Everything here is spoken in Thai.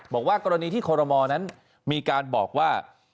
บอกว่ากรณีที่คอรมอลนั้นมีการบอกว่า